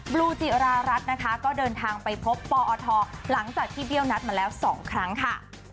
ลูจิรารัสนะคะก็เดินทางไปพบปอทหลังจากที่เบี้ยวนัดมาแล้ว๒ครั้งค่ะ